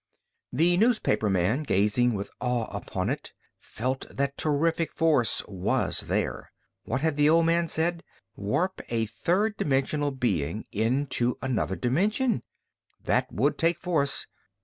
The newspaperman, gazing with awe upon it, felt that terrific force was there. What had the old man said? Warp a third dimensional being into another dimension! That would take force!